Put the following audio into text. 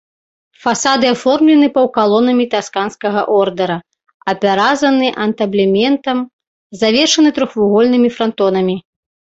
Фасады аформлены паўкалонамі тасканскага ордара, апяразаны антаблементам, завершаны трохвугольнымі франтонамі.